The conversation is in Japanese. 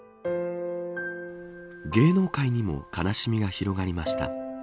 芸能界にも悲しみが広がりました。